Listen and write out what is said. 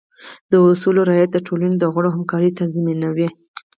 د اصولو رعایت د ټولنې د غړو همکارۍ تضمینوي.